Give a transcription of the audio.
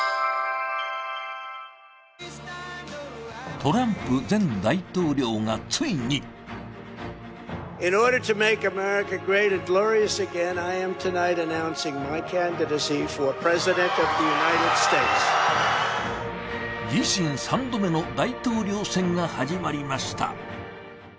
トランプ前大統領がついに自身３度目の大統領選が始まりました。